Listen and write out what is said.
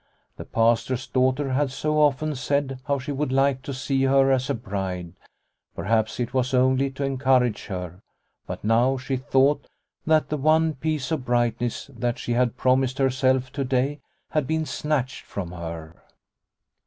The Pastor's daughter had so often said how she would like to see her as a bride ; perhaps it was only to encourage her, but now she thought that the one piece of brightness that she had promised herself to day had been snatched from her.